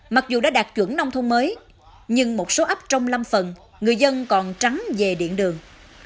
mặc dù đã đạt chuẩn nông thôn mới nhưng một số ấp trong năm phần người dân còn trắng về điện đường